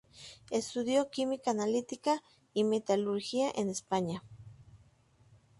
Estudió química analítica y metalurgia en España.